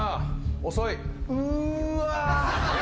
遅い。